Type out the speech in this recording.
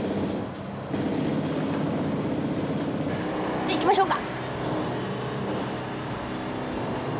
じゃあ行きましょうか。